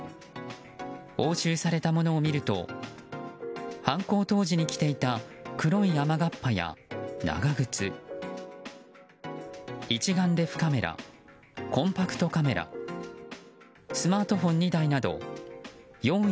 押収されたものを見ると犯行当時に着ていた黒い雨がっぱや長靴一眼レフカメラコンパクトカメラスマートフォン２台など用意